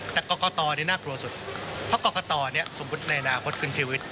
แต่กรอกตอเนี้ยน่ากลัวสุดเพราะกรอกตอเนี้ยสมมติในนาคตคืนชีวิต